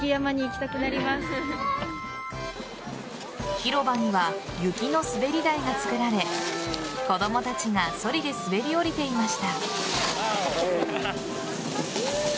広場には雪の滑り台が作られ子供たちがそりで滑り降りていました。